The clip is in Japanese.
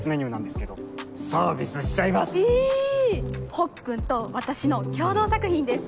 ほっくんと私の共同作品です。